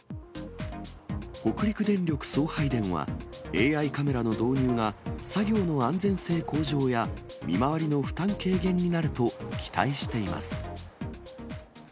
北陸電力送配電は、ＡＩカメラの導入が、作業の安全性向上や見回りの負担軽減になると期待しています。